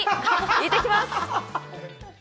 行ってきます！